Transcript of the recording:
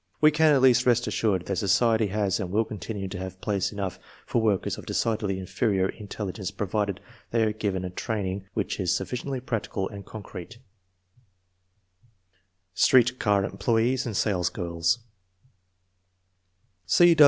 We can at least rest assured that society has and will continue to have place enough for workers of decidedly inferior intelli gence provided they are given a training which is suf ficiently practical and concrete. TESTS AND VOCATIONAL GUIDANCE ' 277 Street car employees and salesgirls.